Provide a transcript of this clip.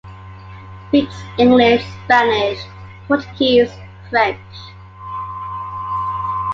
Speaks English, Spanish, Portuguese, French.